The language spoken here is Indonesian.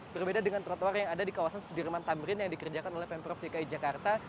berbeda dengan trotoar yang ada di kawasan sudirman tamrin yang dikerjakan oleh pemprov dki jakarta